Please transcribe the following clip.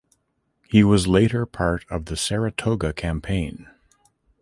He was later part of the Saratoga Campaign.